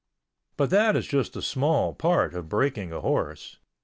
But that is just a small part of breaking a horse.